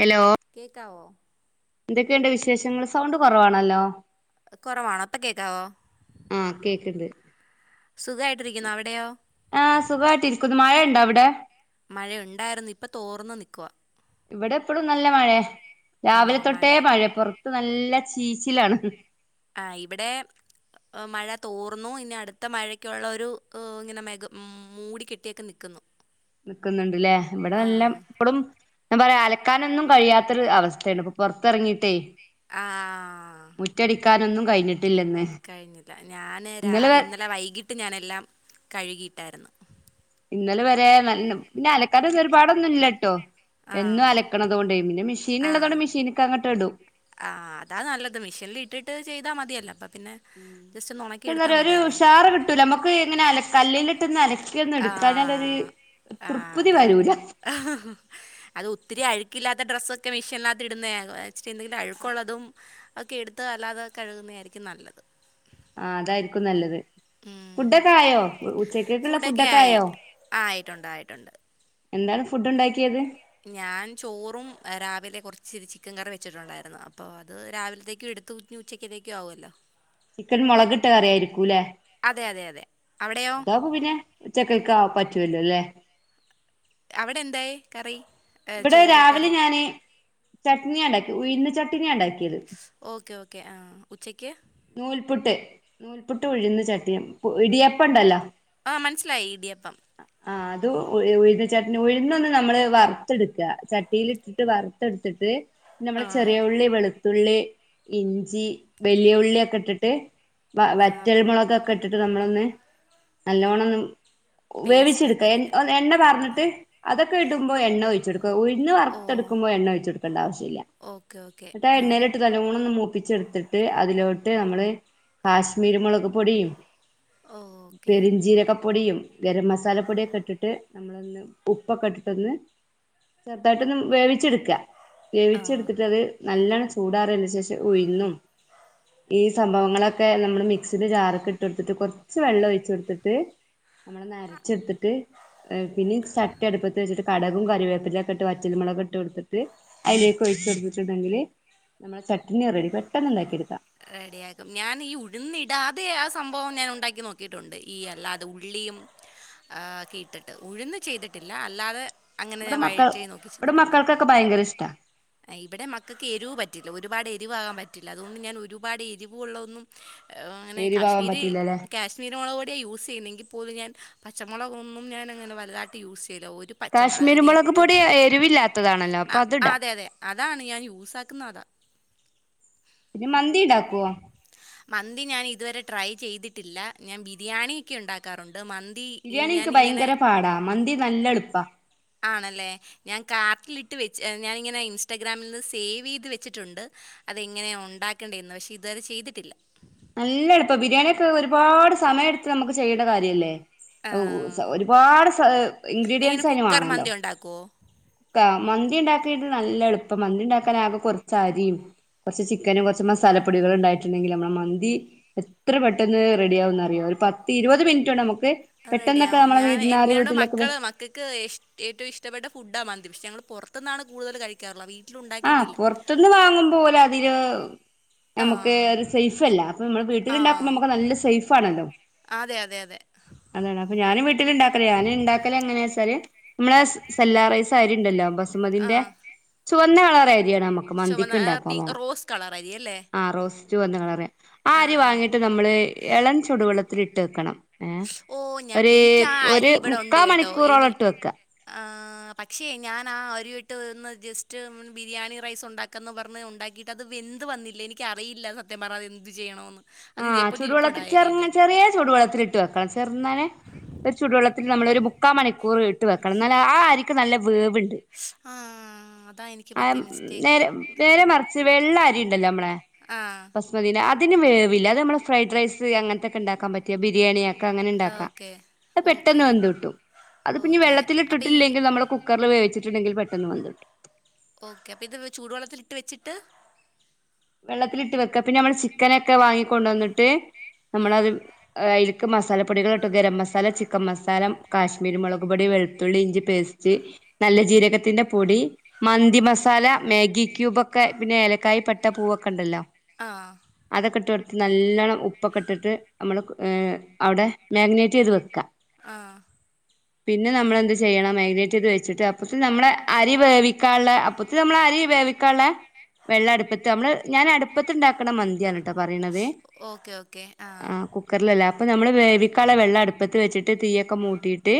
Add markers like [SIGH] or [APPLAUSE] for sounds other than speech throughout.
Hello കേക്കാവോ എന്തൊക്കെയുണ്ട വിശേഷങ്ങൾ സൗണ്ട് കുറവാണല്ലോ കുറവാണ ഇപ്പോ കേക്കാവോ ആഹ് കേക്ക്ണ്ട് സുഖായിട്ടിരിക്കുന്നോ അവിടെയോ? ആഹ സുഖമായിട്ടിരിക്കുന്നു മഴുണ്ടോ അവിടെ? മഴയുണ്ടായിരുന്നു ഇപ്പൊ തോർന്ന് നിൽക്കുവ ഇവിടെ എപ്പോഴും നല്ല മഴയ ആണോ രാവിലെ മഴ തൊട്ടേ മഴയ പുറത്ത് നല്ല ചീച്ചിലാണ് ആഹ് ഇവിടെ മഴ തോർന്നു ഇനി അടുത്ത മഴയ്ക്കുള്ള ഒരു ഇങ്ങനെ മെഗ മൂടി കെട്ടിയൊക്കെ നിക്കുന്നു നിക്കുന്നുണ്ട്ല്ലേ ഇവിടെ നല്ലാം ഇപ്പളും ഞാൻ പറയാം അലക്കാനൊന്നും കഴിയാത്തൊരു അവസ്ഥേണ് ഇപ്പൊ പുറത്തിറങ്ങീട്ടേ ആഹ് കഴിഞ്ഞിട്ടില്ലന്ന് കഴിഞ്ഞില്ല ഞാന് രാ ഇന്നലെ വൈകി ട്ട് ഞാനെല്ലാം കഴുകിയിട്ടായിരുന്നു ഇന്നലെ വരെ നല്ല പിന്നെ അലക്കാനൊന്ന് ഒരുപാടൊന്നുംല്ലട്ടോ ആ എന്നും അലക്കണതോണ്ടെ പിന്നെ മെഷീൻ ഉള്ളതോടെ മെഷീന്ക്ക് അങ്ങട്ട് ഇടും ആഹ് അതാ നല്ലത് മിഷീനിൽ ഇട്ടിട്ട് ചെയ്താ മതിയല്ല അപ്പൊ പിന്നെ ജസ്റ്റ് ഒന്ന് ഉണക്കി എടുത്താൽ എന്താറ്യ മതിയല്ലോ ഒരുഷാറ് കി ട്ടൂല മക്ക് എങ്ങനെ അല കല്ലിലിട്ട്ന്ന് അലക്കി ഒന്ന എടുക്കാഞാലൊര് ആഹ് ആഹ് തൃപ്തി അതാ വരൂല അത് ഒത്തിരി അഴുക്കില്ലാത്ത ഡ്രസ്സൊക്കെ മെഷീന്നകത്ത് ഇടുന്ന ഞങ്ങള് സ്റ്റെ എന്തെങ്കിലും അഴുക്കുള്ളതും ഒക്കെ എടുത്ത് അല്ലാതെ കഴുകുന്നേയിരിക്കും നല്ലത് ആഹ് അതായിരിക്കും നല്ലത് ഉം ഫുഡൊക്കെ ആയോ ഉച്ചക്കൊക്കുള്ള ഫുഡൊക്കെ ആയോ? ആഹ് ആയിട്ടുണ്ട് ആയിട്ടുണ്ട് എന്താണ് ഫുഡ് ഉണ്ടാക്കിയത്? ഞാൻ ചോറും രാവിലെ കുറച്ചി ചിക്കൻ കറി വെച്ചിട്ടുണ്ടായിരുന്നു അപ്പൊ അത് രാവിൽത്തേക്ക് എടുത്ത് നി ഉച്ചയ്ക്കതേക് ആവോല്ലോ? ചിക്കൻ മുളകട്ട കറിയായിരിക്കൂല്ലെ? അതെ അതെ അതെ അവിടെയോ അതാപ്പ പിന്നെ ചെക്കക്കാ പറ്റൂല്ലോല്ലേ? അവിടെ എന്തേയ് കറി? ഏ, ഇവിടെ ചോറ് രാവിലെ കറി ഞാന് ചട്ണിയ ണ്ടാക്കി ഉയ്ന്ന് ചട്ണിയ ണ്ടാക്കിയത് ഓക്കേ ഓക്കേ ആഹ് ഉച്ചക്ക്? നൂൽപുട്ട് നൂൽപുട്ട് ഉഴുന്ന് ചട്ടിയ ഇടിയപ്പണ്ടല്ലോ ആഹ് മനസ്സിലായി ഇടിയപ്പം ആഹ് അതു ഉഴുന്നു ചട്ട്നി ഉഴുന്നൊന്ന് നമ്മള് വർ ത്തെടുക്ക ചട്ടീല് ഇട്ടിട്ട് വറുത്തെടുത്തിട്ട് നമ്മളെ ആഹ് ചെറിയ ഉള്ളി വെളുത്തുള്ളി ഇഞ്ചി വലിയ ഉള്ളിയൊക്കെ ഇട്ടിട്ട് വ ആ വറ്റൽമുളകൊക്കെ ഇട്ടിട്ട് നമ്മളൊന്ന് നല്ലോണ്ണം ഒന്ന് വേവിച്ചെടുക്ക പേസ്റ്റാക്കി എടുക്കാം എണ്ണ പാർന്നിട്ട് അതൊക്കെ ഇടുമ്പോ എണ്ണ ഒഴിച്ചെടുക്ക ഉയുന്നു ഓ വറുത്തെടുക്കുമ്പോ എണ്ണ ഒയ്ച്ചെടുക്കേണ്ട ആവശ്യഇല്ല തോക്കേ ആഹ് തല്ലോണം ഒന്ന് മൂപ്പിച്ചെടുത്തിട്ട് അതിലോട്ട് നമ്മള് കാശ്മീരിമുളക് പൊടിയും ഓക്കെ പെരിഞ്ചീരകപ്പൊടിയും ഗരം മസാലപ്പൊടിയൊക്കെ ഇട്ടിട്ട് ഉപ്പൊക്കെ ഇട്ടിട്ടൊന്ന് ചെുർതായിട്ടൊന്നും വേവി ച്ചിട്ക്കാ ആ വേവിച്ച്ട്ത്തിട്ടത് നല്ലണം ചൂടാറിയേന് ശേഷം ഉഴിന്നും ഈ സംഭവങ്ങളൊക്കെ നമ്മള് മിക്സില് ജാറ്ക്ക് ഇട്ടൊടുത്തിട്ട് കൊർച്ച് വെള്ളം ഒഴിച്ചോട്ത്തിട്ട് നമ്മള് ന്നരച്ച്ടുത്തിട്ട് പിന്നി ചട്ടി അടുപ്പത്ത് വെച്ചിട്ട് കട കും കരിവേപ്പിലക്കെട്ട് വറ്റൽമുളക് ഇട്ടൊടുത്തിട്ട് അയ്ലേക്ക് ഒഴിച്ചോടുത്തിട്ടുണ്ടെങ്കില് നമ്മളെ ചട്ണി റെഡി പെട്ടെന്ന് ഇണ്ടാക്കിയെടുക്കാം റെഡിയാക്കും ഞാന് ഈ ഉഴുന്നിടാതെ ആ സംഭവം ഞാൻ ഉണ്ടാക്കി നോക്കിയിട്ടുണ്ട് ഈ അല്ലാ ത് ഉള്ളിയും ഏഹ് കെട്ടിട്ട് ഉഴുന്ന് ചെയ്തിട്ടില്ല അല്ലാതെ അങ്ങനെ ഇവിടെ ഞാൻ മക്കൾ വഴറ്റി ഇവിടെ നോക്കിച്ചെയ്തിട്ടുണ്ട് മക്കൾക്കൊക്കെ ഭയങ്കര ഇഷ്ടാ അഹ് ഇബടെ മക്കക്ക് എരിവ് പറ്റില്ല ഒരുപാട് എരിവാകാൻ പറ്റില്ല അതുകൊണ്ട് ഞാൻ ഒരുപാട് എരിവുള്ള ഒന്നും ഓഹ് അങ്ങനെ എരിവാവാൻ കാശ്മീരി പറ്റൂലല്ലേ കാശ് മീമുളകൊടിയാ യൂസ് ചെയ്യുന്നെങ്കിൽ പോലും ഞാൻ പച്ചമുളകൊന്നും ഞാനങ്ങന വലുതായിട്ട് യൂസയില്ല ഒരു പച്ചമുളക് കാശ്മീരി മുളക് [UNINTELLIGIBLE] പൊടി എരിവില്ലാത്തതാണല്ലോ എരുവില്ലാത്തതാ. അപ്പൊ ആഹ് അതിടാ അതെ അതെ അതാണ് ഞാൻ യൂസാ ആക്കുന്ന അതാ. പിന്നെ മന്തി ഇണ്ടാക്കൊ? മന്തി ഞാൻ ഇതുവരെ ട്രൈ ചെയ്തിട്ടില്ല. ഞാൻ ബിരിയാണി ക്കേ ഉണ്ടാക്കാറുണ്ട്. മന്തി ഈ ബിരിയാണി എനിക്ക് ഞാനിങ്ങനെ ഭയങ്കര പാടാ മന്തി നല്ല എളുപ്പാ. ആണല്ലേ. ഞാൻ കാർട്ടിലിട്ട് വെച്ച് ഞാനിങ്ങനെ ഇൻസ്റ്റാഗ്രാമിൽ നിന്ന് സേവ് ചെയ്ത് വെച്ചിട്ടുണ്ട്. അതെങ്ങനെയാ ഒണ്ടാക്കേണ്ടന്ന്, പക്ഷെ ഇത് വരെ ചെയ്തിട്ടില്ല. നല്ല എളുപ്പാ, ബിരിയാണിയൊക്കെ ഒരുപാട് സമയ എടുത്ത് നമ്മക്ക് ചെയ്യണ്ട കാര്യല്ലേ. ആ, ഊ ഒരുപാട് സ എങ്ങനെ ഇൻഗ്രീഡിയന്റ്സ് അയ്ന് കുക്കർ മാണല്ലോ. മന്തി ഉണ്ടാക്കുമോ കാ മന്തി ഉണ്ടാക്കനായിട്ട് നല്ല എളുപ്പ, മന്തി ഇണ്ടാക്കാൻ ആകെ കൊർച്ച അരിം, കൊർച്ച് ചിക്കനും കൊർച്ച് മസാല പൊടികള് ഇണ്ടായിട്ടുണ്ടെങ്കി നമ്മള് മ ന്തി എത്ര പെട്ടെന്ന് റെഡിയാവുന്നറിയൊ. ഒരു പത്ത് ഇരുപത് മിൻറ്റൊണ്ടമ്മക്ക് അത് റെഡിയാവും. ഞാൻ എന്നോട് മക്കള് മക്ക ക്കക്ക് ഇഷ് ഏറ്റവും ഇഷ്ടപ്പെട്ട ഫുഡാണ് മന്തി. പഷെ ഞങ്ങള് പൊറത്തുന്നാണ് കൂടുതല് കഴിക്കാറുള്ളത്. വീട്ടി ആഹ് പൊർത്തുന്ന് വാങ്ങുമ്പോലതില് ആ നമക്ക് അത് സേഫ് അല്ല. അപ്പൊ നമ്മള് ആ വീട്ടിലുണ്ടാക്കുമ്പോ നമ്മക്ക് നല്ല സേഫാണല്ലോ. അതെ അതെ അതെ. അതാണ് അപ്പൊ ഞാനും വീ ഞാന് ഇണ്ടാക്കല് എങ്ങനെച്ചാല് നമ്മളെ സെല്ലാ റൈസ് അരിണ്ടല്ലോ ബസുമതിന്റെ ആഹ് ചുവന്ന കളർ അരിയാണ് മ്മക്ക് ചുവന്ന മന്തിക്ക് ഏഹ് പി ഇണ്ടാക്കമ, റോസ് കളർ അരി അല്ലേ ആ റോസ് ചുവന്ന കളറ്. ആ അരി ആഹ് ആഹ് വാങ്ങിട്ട് നമ്മള് എളം ചുടുവെള്ളത്തിൽ ഇട്ട് വെക്കണം ഏ. ഓ ഞാ ഒരു എനിക്ക് ആ അരി ഒരു ഇവിടെ ഉണ്ട് മുക്കാ കേട്ടോ മണിക്കൂറോളം ഇനി ഇട്ട് വെക്കാ. ആഹ് പക്ഷേ ഞാൻ ആ അരി ഇട്ട് ഒന്ന് ജസ്റ്റ് ബിരിയാണി റൈസ് ഉണ്ടാ ക്കന്ന് പറഞ്ഞ് ഉണ്ടാക്കിയിട്ട്, അത് വെന്ത് വന്നില്ല. എനിക്കറിയില്ല സത്യ പറഞ്ഞാത് എന്ത് ചെയ്യണമെന്ന്. ആഹ് ചൂടുവെള്ളത്തിൽ ചെർങ്ങ ചെറിയ ചൂടുവെള്ളത്തില ഇട്ട് വെക്ക. ചെറുന്നനെ ഒരു ചുടുവെള്ളത്തിൽ നമ്മള ഒരു മുക്കാ മണിക്കൂർ ഇ ട്ട് വെക്കണം ന്നാലെ ആ അരിക്ക് നല്ല വേവ് ണ്ട്. ആഹ് അതാ എനിക്ക് പറ്റിയ ആമ് മിസ്റ്റേക്ക് നേരെ നേരെ മറച്ച് വെള്ള അരി ഇണ്ടല്ലോ നമ്മളെ, ആഹ് [UNINTELLIGIBLE] അതിന് വേവില്ല, അത് നമ്മള് ഫ്രൈഡ് റൈസ് അങ്ങൻത്തൊക്കെ ഇണ്ടാക്കാൻ പറ്റിയ ബിരിയാണിയൊക്കെ അങ്ങനെ ഇണ്ടാക്കാ. ഓക്കെ അത് പെട്ടന്ന് ഓക്കെ വെന്ത് കിട്ടും. അത്പ ഇഞ്ഞി ഓക്കെ അപ്പം ഈ വെള്ളത്തിലിട്ടട്ടില്ലെങ്കി നമ്മള് കുക്കറിൽ വേവിച്ചിട്ടുണ്ടെങ്കിൽ പെട്ടെന്ന് വെന്ത്‌ട്ടും. ഓക്കെ, അപ്പ ഇത് ചൂടു വെള്ളത്തില് ഇട്ട് വെച്ചിട്ട്, വെള്ളത്തിലിട്ട് വെക്ക. പിന്നെ നമ്മള് ചിക്കനൊക്കെ വാങ്ങിക്കൊണ്ടോന്നിട്ട് നമ്മളത് ആഹ് ഏഹ് അയിൽക്ക് മസാലപ്പൊടികൾട്ടും ഗരം മസാല, ചിക്കൻ മസാലം, കാശ്മീരി മുളക് പൊടി, വെളുത്തുള്ളി, ഇഞ്ചി പേസ്റ്റ് നല്ല ജീരകത്തിന്റെ പൊടി, മന്തി ആഹ് മസാല, മാഗി ക്യൂബ് ഒക്കെ പിന്നെ ഏലക്കായി പ ട്ട പൂവൊക്കെണ്ടല്ലോ, ആഹ് അതൊക്കെ ഇട്ട് കൊടുത്ത് നല്ലണ്ണം ഉപ്പൊക്കെ ഇട്ടിട്ട്, നമ്മള് ഏഹ് അവിടെ മാരിനെറ്റ് ചെയ്ത് വെക്ക. ആഹ് പിന്നെ നമ്മളെന്ത് ചെയ്യണം മാരിനേറ്റ് ചെയ്ത് വച്ചിട്ട്, അപ്പോഴത്തെ നമ്മളെ അരി വേവിക്കാള്ളെ അപ്പത്തെ നമ്മള് അരി വേവിക്കാള്ളെ വെള്ള അടുപ്പ തിട്ട് നമ്മള് ഞാൻ അടുപ്പത്ത് ഉണ്ടാക്കണ മന്തിയാണ് ട്ടോ പറയണന്നത്. ഓക്കെ ഓക്കെ ആ ഉപ്പ് കുക്കറിലല്ലേ, അപ്പൊ നമ്മള് വേവിക്കാള വെള്ളം അടുപ്പത്ത് വെച്ചിട്ട് തീയൊക്കെ മൂട്ടിട്ട്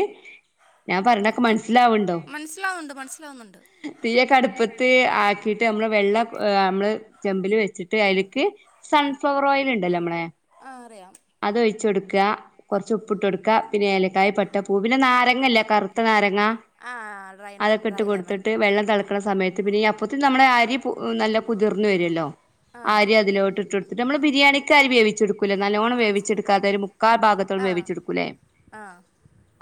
ഞാൻ പറ്ണേക്ക ഓക്കെ മനസ്സിലാവണ്ടോ? മനസ്സിലാവുന്നുണ്ട് മനസ്സിലാവുന്നുണ്ട് തീയൊക്കെ അടുപ്പത്ത് ആക്കിട്ട് നമ്മള് വെള്ള നമ്മള് ചെമ്പില് വെച്ചിട്ട് അയല്ക്ക് സൺഫ്ലവർ ഓയിൽ ഉണ്ടല്ലമ്മടെ ആ അറിയാം അതൊഴിച്ച് കൊടുക്കാ. കകൊർച്ചുപ്പ്ട്ടൊ ട്കൊടുക്ക. പിന്നെ ഏലക്കായ പട്ട പൂ പിന്നെ നാരങ്ങല്ലെ കറു ത്ത നാരങ്ങ ആ ഡ്രൈ ന- അതൊക്കെട്ട് ഡ്രൈ ലെമൺ കൊടുത്തിട്ട് വെള്ളം തെള ണ സമയത്ത് പിന്നെ അപ്പത്തും നമ്മെ അരി നല്ല കുതിർന്നു വരുല്ലോ ആ അരി അതിലോട്ട്ട്ട് കൊട്ത്ത്‌ട്ട് നമ്മള് ബിരിയാണിക്കരി വേവിച്ചെടുക്കൂലേ ആ നല്ലോണം മനസ്സിലായി വേവിച്ചെടുക്കാത്തെ ഒരു മു ക്കാ ഭാഗത്തോളം വേവിച്ചെടുക്കൂലേ ആഹ്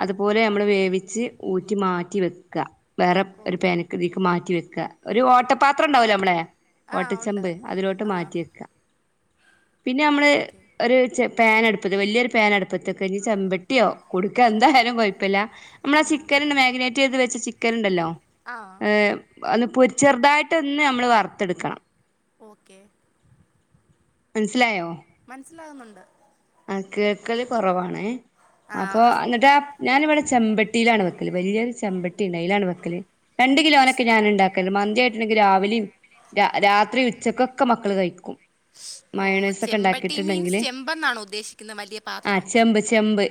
അതുപോലെ നമ്മള് വേവിച്ച് ഊറ്റി മാറ്റി വെക്ക വേറെ ഒരു ഓക്കെ പേന്ക്ക് തീക്ക് മാറ്റി വെക്കുക ഒരു ഓട്ട പാത്രംണ്ടാവല്ലോ നമ്മളെ ആ ഉണ്ട് ഓട്ടച്ചമ്പ് അതിലോട്ട് ആ മാറ്റെയെക്കാ പിന്നെ നമ്മള് ഓക്കെ ഒരു ചെ പാൻ അടുപ്പത് വല്യൊരു പാൻ അടുപ്പത്ത് വെക്ക. ഇന്നി ചെമ്പട്ടിയോ കുടുക്കാ എന്തായാലും കൊഴപ്പല്ല മ്മളാ ആ ചിക്കൻണ്ട് മാഗിനേറ്റ് ചെയ്ത് വെച്ച ചിക്കന്ണ്ടല്ലോ ആ ഏഹ് ഒന്ന് പൊരി ചെറുതായിട്ട് ഒന്ന് നമ്മള് വർ ഓക്കെ മൻസ്സിലാകുന്നുണ്ട് ആ കേക്കല് കൊറവാണ് ആ അപ്പൊ അത് ന്നട്ടാ ഞാന്വടെ ചെമ്പട്ടിയിലാണ് വെക്കല് വല്ല്യൊരു ചെമ്പട്ടിണ്ട് അയ്ലാണ് വെക്കല്. രണ്ട് കിലോനൊക്കെ ഞാന്ണ്ടാക് ക്കല്. മന്തിയായിട്ടുണ്ടെങ്കിൽ രാവിലെയും രാത്രി ഉച്ചക്കൊക്കെ മക്കള് കഴിക്കും ഓഹ് മയോണൈസ് ഒക്കെ ചെമ്പട്ടി മീൻസ് ഉണ്ടാക്കിയിട്ടുണ്ടെങ്കില് ചെമ്പന്നാണോ ഉദ്ദേശിക്കുന്ന വലിയ ആഹ് പാത്രം ചെമ്പ് ചെമ്പ്,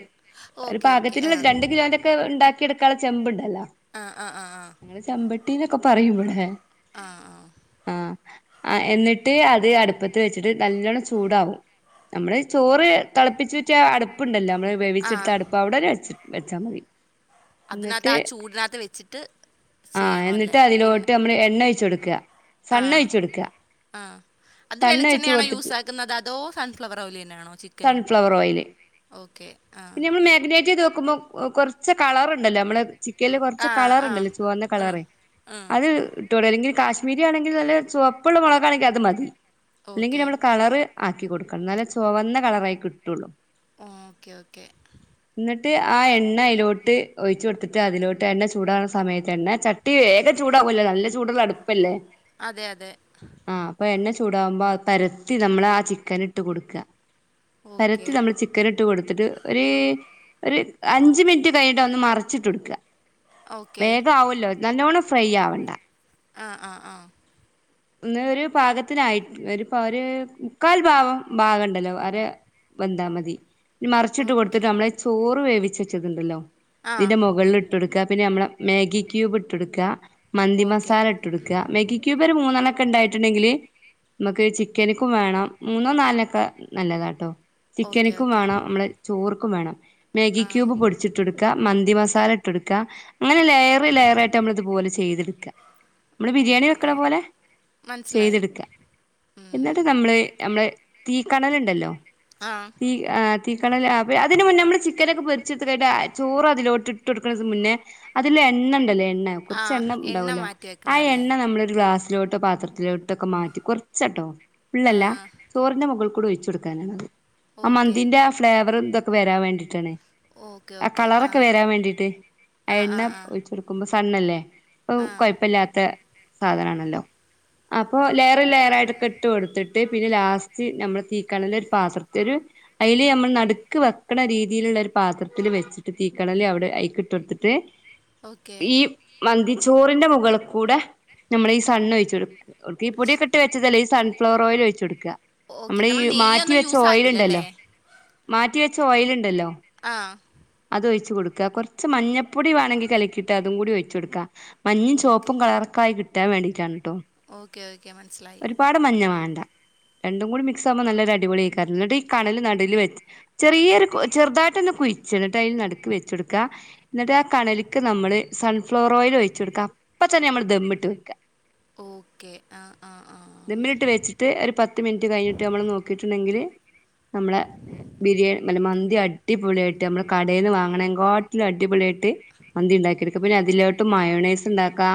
ഒരു ഓക്കെ ഓക്കെ പാകത്തിന് ആ ള്ള രണ്ട് കിലോന്റെക്കെ ണ്ടാക്കി എടുക്കാനുള്ള ചെമ്പ്ണ്ടല്ലോ ആ ആ ആ ആ ഞങ്ങള് ചമ്പട്ടീനൊക്കെ പറയും വടെ ആ ആ ആഹ് എന്നിട്ട് അത് അടുപ്പത്ത് വെച്ചിട്ട് നല്ലോണ്ണം ചൂടാവും നമ്മള് ചോറ് തെളപ്പിച്ചൂറ്റ്യാ അടുപ്പുണ്ടല്ലോ നമ്മ ആ വേവിച്ചെടുത്ത അടുപ്പ അവിടെ വെച് വെച്ചാ മതി അതിനകത്ത് എന്നിട്ട് ആ ചൂടിനകത്ത് വെച്ചിട്ട് ആഹ് ചെയ്യണം എന്നിട്ട് അല്ലേ അതിലോട്ട് നമ്മള് എണ്ണ ഒഴിച്ച് കൊടുക്ക ആഹ് ആഹ് അത് സണ്ണ് വെളിച്ചെണ്ണ ഒഴിച്ച് ആണോ കൊടുത്തിട്ട് യൂസാ ക്ക്ന്നത് അതോ സൺഫ്ലവർ ഓയിലന്നാണോ ചിക് സൺഫ്ലവർ ഓയില്. ആ പിന്നെ നമ്മൾ മാഗിനേറ്റ് ചെയ്ത് വെക്കുമ്പോ കൊർച്ച് കളറുണ്ടല്ലോ നമ്മള് ചിക്കൻല് കൊർച്ച് ആ കളറ് ആ ണ്ടല്ലോ ചുവന്ന ആ കളറെ ആ അത് ഇട്ട അല്ലെങ്കിൽ കാശ്മീരി ട്ടോണ്ടി. ആണെങ്കിൽ കാശ്മീരി ആണെങ്കിൽ നല്ല ചുവപ്പുള്ള മുളകാണെങ്കിൽ അത് മതി. അല്ലെങ്കിൽ ഓക്കെ നമ്മള് കളറ് ആക്കി കൊടുക്കണം ന്നാലെ ചൊവന്ന കളറായി കിട്ടുള്ളൂ ഓക്കേ ഓക്കെ എന്നിട്ട് ആ എണ്ണ അയ്ലോട്ട് ഒയ്ച്ച് കൊട്ത്ത്ട്ട് അതിലോട്ട് എണ്ണ ചൂടാവുന്ന സമയത്തന്നെ ചട്ടി വേഗം ചൂടാവ്വല്ലേ നല്ല ചൂട്ള്ള അട്പ്പല്ലേ അതെ അതെ ആഹ് അപ്പൊ എണ്ണ ചൂടാകുമ്പോ പരത്തി നമ്മളാ ചിക്കൻ ഇട്ട് കൊടുക്ക പരത്തി ഓക്കെ നമ്മള് ചിക്കന്ട്ട് കൊട്ത്ത്ട്ട് ഒര്.. ഒര് അഞ്ച് മിൻറ്റ് കയ്ഞ്ഞിട്ടഒന്ന് മറച്ചിട്ടൊട്ക്ക ഓക്കെ വേഗാവ്വ്വല്ലോ നല്ലോണം ഫ്രൈ ആവണ്ട ആഹ് ആഹ് ആഹ് ഒന്ന് ഒരു പാഗത്തിനായി ഒരു പ ഒര് മുക്കാൽ ഭാവം ഭാഗണ്ടല്ലോ അരെ വെന്താ മതി. മറിച്ചിട്ട് ഓക്കെ കൊടുത്തിട്ടമ്മളെചോറ് വേവിച്ചെച്ചതുണ്ടല്ലോ ആ ഇതിന്റെ മുകളിൽ ഇട്ട് കൊടുക്ക പിന്നെമ്മള മാഗി ക്യൂബ് ഇട്ടൊട്ക്കുക മന്തി ഓക്കെ മസാല ഇട് ഇട്ടൊടുക്കുക മേഗി ക്യൂബ് ഒര് മൂന്നെണ്ണ ക്ക ഉണ്ടായിട്ടുണ്ടെങ്കില് മ്മക്ക് ചിക്കനിക്കും വേണം മൂന്നോ നാൽണൊക്കെ നല്ലതാട്ടോ ഓക്കെ ചിക്കനിക്കും ഓക്കെ വേണം നമ്മളെ ചോർക്കും വേണം മാഗി ആ ക്യൂബ് പൊടി ച്ച്ട്ടൊട്ക്ക മന്തി മസാല ഇട്ടൊട്ക്ക അങ്ങനെ ലെയർ ലെയറായിട്ട നമ്മള് ഇതുപോലെ ചെയ്ത്ട്ക്കാ നമ്മള് ബിരിയാണി ഓക്കെ വെക്കണ പോലെ മനസ്സിലായി ചെയ്ത്ട്ക്കാ ഉം. എന്നിട്ട് നമ്മള് നമ്മള തീ കണല്ണ്ടല്ലോ ആ തീ ആഹ് തീക്കണല് ആ പിന്നെ അതിന് മുന്നേ നമ്മള് ചിക്കനൊക്കെ പെരിച്ചെടുത്ത് കഴിൻട്ട് ആ ചോറ് അതിലോട്ട് ഇട്ട് കൊടുക്കണതിന് മുന്നേ അതില് എണ്ണ ഉണ്ടല്ലോ എണ്ണ ആ കുറച്ച് എണ്ണ ഉണ്ടാവല്ലോ മാറ്റി ആ വെക്കണം അല്ലേ എണ്ണ നമ്മളൊരു ഗ്ലാസ് ഇട്ട പാത്രത്തില ഇട്ടൊക്കെ മാറ്റി കൊറച്ചാട്ടോ ആ ഫുള്ളല്ല ചോറിന്റെ മുകളിൽ കൂടെ ഒഴിച്ചു കൊടുക്കാനാണത് ആ ഓക്കെ മന്തിന്റെ ആ ഫ്ലേവർ ഇതൊക്കെ വരാൻ വേണ്ടീട്ടാണ് ഓക്കെ ആ ഓക്കെ കളറൊക്കെ വരാൻ വേണ്ടീട്ട് ആ എണ്ണ ഒഴിച്ചെടുക്കുമ്പോ സണ്ണല്ലേ അത് ആ കൊഴപ്പല്ലാത്ത സാധനാണല്ലോ അപ്പൊ ലെയർ ലെയർ ആയിട്ടൊക്കെ ഇട്ട് കൊടുത്തിട്ട് പിന്നെ ലാസ്റ്റ് നമ്മള് തീക്കണല് ഒരു പാത്ര ഒരു അയില് നമ്മൾ നട്ക്ക് വെ വെക്കണ രീതിയിലുള്ള ഒരു പാത്രത്തിൽ വെച്ചിട്ട് തീക്കണല് അവിടെ അയിക്കിട്ടൊടുത്തിട്ട് ഓക്കെ ഈ മന്തിച്ചോറിന്റെ മുകള് ക്കൂടെ നമ്മളെ ഈ സണ്ണ് ഒഴിച്ച് കൊടു ഈ പൊടി ഒക്കെട്ട് വെച്ചതല്ല ഈ സൺഫ്ലവർ ഓയിലൊഴിച്ച് കൊടുക്ക ഓക്കെ നമ്മള് ഈ നമ്മൾ മാറ്റി നെയ്യൊന്നും വെച്ച യൂസ് ഓയില് ആക്കില്ലല്ലേ ഇണ്ടല്ലോ മാറ്റി വെച്ച ഓയില് ഇണ്ടല്ലോ ആഹ് അത് ഒഴിച്ച് കൊടുക്ക കൊറച്ച് മഞ്ഞപ്പൊടി വേണെങ്കി കലക്കിയിട്ട് അതും കൂടി ഒഴിച്ച് കൊടുക്ക മഞ്ഞിം ഓക്കെ ചോപ്പും കളറൊക്കായി കിട്ടാൻ വേണ്ടിയിട്ടാണ് ട്ടോ ഓക്കെ ഓക്കെ മനസ്സിലായി ഒരുപാട് മഞ്ഞ മാണ്ട രണ്ടും കൂടി മിക്സ് ആകുമ്പോ നല്ലരു അടി പൊളി എയ്ക്കാരം ഇന്നട്ട് ഈ കണല് നട്‌വില് വെച്ച് ചെറിയൊരു കു ചെർതായിട്ടന്നെ കുഴിച്ച്ട ഇന്നട്ട് അയിൽ നടുക്ക് വെച്ചൊട്ക്കാ ഇന്നട്ട് ആ കണലിക്ക് നമ്മള് സൺഫ്ലവർ ഓയിൽ ഒഴിച്ച് കൊടുക്ക അപ്പ തന്നെ നമ്മള് ദമ്മിട്ട് വെക്ക ഓക്കെ ആഹ് ആഹ് ആഹ് ദെമ്മിലിട്ട് വെച്ചിട്ട് ഒരു പത്ത് മിനിറ്റ് കഴിഞ്ഞിട്ട് നമ്മള് നോക്കിയിട്ടുണ്ടെങ്കില് നമ്മളെ ബിരിയാ അല്ല മന്തി അടി പൊളിയായി നമ്മള് കടേന്ന് വാങ്ങണെങ്കാട്ടിലും അടി പൊളിയായിട്ട് മന്തി ഇണ്ടാക്കിയെടുക്ക പിന്നെ അതിലോട്ട് മയോണൈസ് ഇണ്ടാക്കാ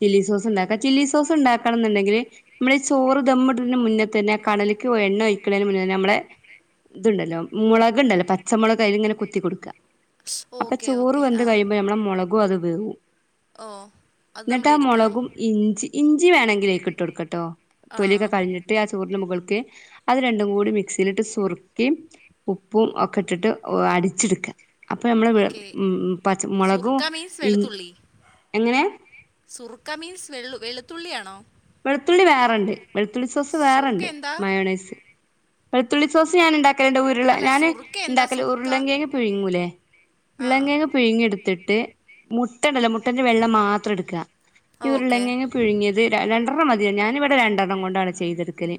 ചില്ലി സോസ് ഉണ്ടാക്ക ചില്ലി സോസ് ഉണ്ടാക്കണംന്ന്ണ്ടെങ്കില് നമ്മളെ ഈ ചോറ് ദമ്മിടതിന് മുന്നേ തന്നെ കണല്ക്ക് ഒ എണ്ണ ഒഴിക്ക്ണതിന് മുന്നേ തന്നെ നമ്മളെ ഇത്ണ്ടല്ലോ മുളക് ണ്ടല്ലോ പച്ചമുളക് അയില്ങ്ങനെ കുത്തി കൊട്ക്കാ അപ്പൊ ഓക്കെ ചോറ് ഓക്കെ വെന്ത് ആ കഴിയുമ്പോ നമ്മളെ മൊള കോതം വേവും ഓ അത് ഇന്നട്ട് നമ്മൾ ആ എടുക്കണം മൊളകും ഇഞ്ചി ഇഞ്ചി വേണെങ്കില് അയിക്ക് ഇട്ട് കൊടുക്കട്ടോ ആ തൊലിയൊക്കെ കളഞ്ഞി ട്ട് ആ ചോറിന് മുകൾക്ക് അത് രണ്ടും കൂടി മിക്സിയിലിട്ട് സുർക്കിം ഉപ്പും ഒക്കെ ഇട്ടിട്ട് ഓ അടിച്ചെടുക്ക അപ്പോ നമ്മളെ വെ ഓക്കെ പച്ച മുളകും സുറുക്ക മീൻസ് ഇൻ വെളുത്തുള്ളി എങ്ങനെ സുറുക്ക മീൻസ് വെള്ളു വെളുത്തുള്ളിയാണോ വെളുത്തുള്ളി വേറെണ്ട് വെളുത്തുള്ളി സോസ് സുറുക്ക വേറെണ്ട് എന്താ മയോണൈസ് വെളുത്തുള്ളി സോസ് ഞാന്ണ്ടാക്കൽണ്ട് വീ ള്ളേ അല്ല ഞാന് സുറുക്ക എന്താ ഇണ്ടാക്കല് സുറുക്ക ഉരുളങ്കേങ്ങ് പിഴുങ്ങൂലേ ആ ഉരുളങ്കേങ്ങ് പിഴുങ്ങി എടുത്തിട്ട് മുട്ടണ്ടല്ലോ മുട്ടന്റെ വെള്ള മാത്രം എടുക്ക ഈ ഓക്കെ ഉരുളങ്കേങ്ങ് പിഴുങ്ങിയത് രണ്ടെണ്ണം മതി ഞാനിവിടെ രണ്ടെണ്ണം കൊണ്ടാണ് ചെയ്തെടുക്കെല്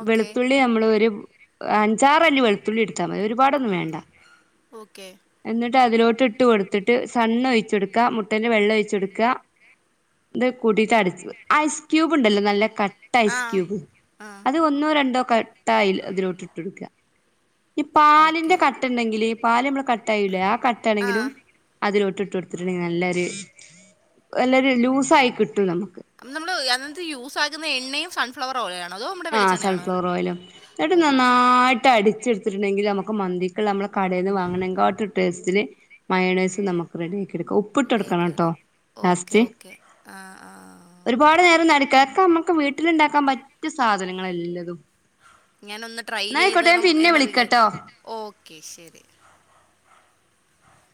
ഓക്കെ വെളുത്തുള്ളി നമ്മള് ഒരു അഞ്ചാറല്ലി വെളുത്തുള്ളി എടുത്താൽ മതി ഒരുപാടൊന്നും വേണ്ട ഓക്കേ എന്നിട്ട് അതിലോട്ട് ഇട്ട് കൊടുത്തിട്ട് സൺ ഒഴിച്ചൊട്ക്ക മുട്ടന്റെ വെള്ള ഒയ്ച്ചൊട്ക്ക ഇത് കൂട്ടിട്ട് അരച്ചത് ഐസ് ക്യൂബ് ഉണ്ടല്ലോ നല്ല കട്ട് ആ ഐസ് ക്യൂബ് ആ അത് ഒന്ന് ഒന്നോ രണ്ടോ കട്ട അയ് അതിലോട്ട് ഇട്ട് കൊട്ക്ക ഈ പാലിന്റെ ഓക്കെ കട്ട ഇണ്ടെങ്കില് പാല് ഞമ്മള് കട്ട് ആയുല്ലേ ആ ആ കട്ടാണെങ്കിലും അതിലോട്ട് ഇട്ട് കൊടുത്തിട്ടുണ്ടെങ്കിൽ നല്ലൊരു നല്ലൊരു ലൂസായി കിട്ടും നമുക്ക് അപ്പം നമ്മള് അതിനകത്ത് യൂസ് ആക്കുന്ന എണ്ണയും സൺ ഫ്ലോർ ഓയലാണോ അതോ ആഹ് വെളിച്ചെണ്ണയാണോ സൺഫ്ലവർ ഓയിലോ ഇന്നട്ട് ഓ ഓക്കെ നന്നായിട്ട് അടിച്ചിട് ട്ട്ണ്ടെങ്കില് നമുക്ക് മന്തിക്ക്ള്ളെ നമ്മൾ കടേന്ന് വാങ്ങ്ണെകാട്ടിലും ടേസ്റ്റില് മയോണേസ് നമുക്ക് ക്ക്റെഡി ആക്കി എടുക്ക ഉപ്പിട്ട് എടുക്കണട്ടോ റെഡിയാക്കാനോ ഓക്കെ ലാസ്റ്റ് ഓക്കെ ആ ആ ഒരുപാട് നേരൊന്നും അടിക്കണ്ട ഒക്കെമ്മക്ക് വീട്ടിലുണ്ടാക്കാൻ പറ്റിയ സാധനങ്ങള എല്ലതും ഞാനൊന്ന് ട്രൈ ചെയ്തണം എന്ന് വിളിക്കാട്ടോ വിചാരിക്ക്ണ് ഓക്കേ ശരി